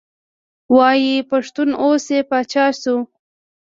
وایي پښتون اوس یې پاچا شو.